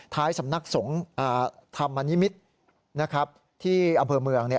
สำนักสงฆ์ธรรมนิมิตรที่อำเภอเมือง